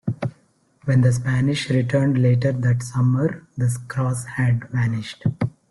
When the Spanish returned later that summer the cross had vanished.